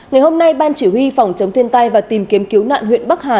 ngày hôm nay ban chỉ huy phòng chống thiên tai và tìm kiếm cứu nạn huyện bắc hà